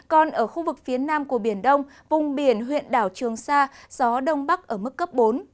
còn ở khu vực phía nam của biển đông vùng biển huyện đảo trường sa gió đông bắc ở mức cấp bốn